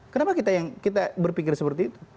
kenapa kita yang kita berpikir seperti itu